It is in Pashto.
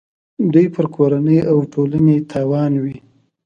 دوی پر کورنۍ او ټولنې تاوان وي.